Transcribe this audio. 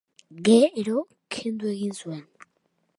Gero kendu egin zuen.